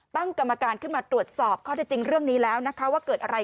ตั้งกรรมการขึ้นมาสอบเขาได้จริงเรื่องนี้นะว่าเคยอะไร